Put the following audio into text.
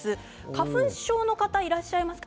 花粉症の方いらっしゃいますか。